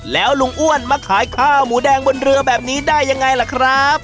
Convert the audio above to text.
แล้วลุงอ้วนมาขายข้าวหมูแดงบนเรือแบบนี้ได้ยังไงล่ะครับ